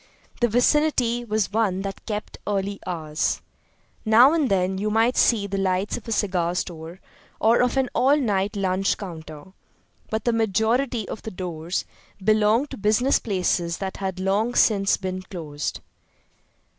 The vicinity was one that kept early hours. Now and then you might see the lights of a cigar store or of an all night lunch counter; but the majority of the doors belonged to business places that had long since been closed.